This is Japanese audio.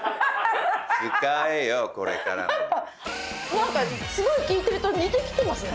何かすごい聞いてると似てきてますね。